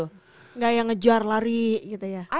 kayak ngejar lari gitu ya